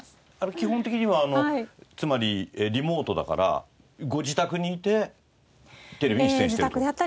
基本的にはあのつまりリモートだからご自宅にいてテレビに出演していると。